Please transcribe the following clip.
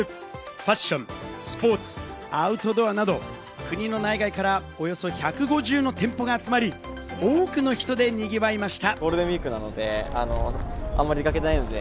ファッション、スポーツ、アウトドアなど国の内外からおよそ１５０の店舗が集まり、多くの人でにぎわいました。